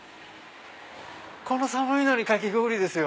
この寒いのにかき氷ですよ。